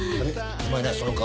お前何その顔。